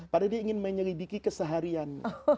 padahal dia ingin menyelidiki keseharian